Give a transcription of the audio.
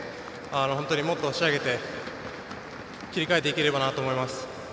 本当にもっと仕上げて切り替えていければなと思います。